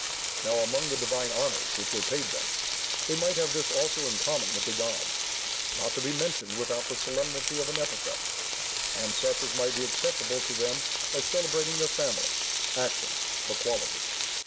Now among the divine honours which were paid them, they might have this also in common with the gods, not to be mentioned without the solemnity of an epithet, and such as might be acceptable to them by celebrating their families, actions or qualities.